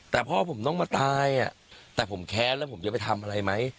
แต่พ่อผมต้องมาตายแต่ผมแค้นแล้วผมจะไปทำอะไรไหม